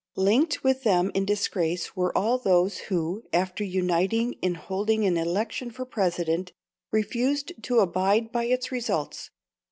Linked with them in disgrace were all those who, after uniting in holding an election for President, refused to abide by its results.